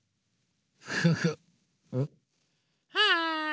はい。